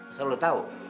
masa lu tau